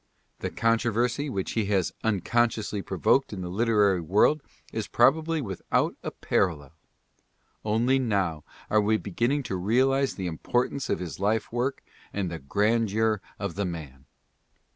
The controversy which he has uncon HARNED, 23 sciously provoked in the literary world is probably without a parallel. Only now are we beginning to realize the importance of his life work and the grandeur of the man.